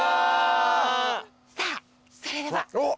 さあそれでは。